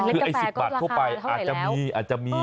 คือ๑๐บาททั่วไปอาจจะมี